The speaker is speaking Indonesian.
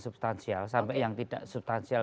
substansial sampai yang tidak substansial